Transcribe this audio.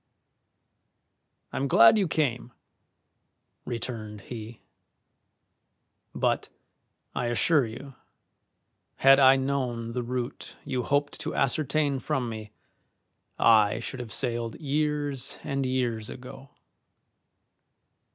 "I'm glad you came," returned he; "but, I assure you, had I known the route you hoped to ascertain from me I should have sailed years and years ago.